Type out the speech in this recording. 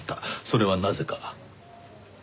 それはなぜか？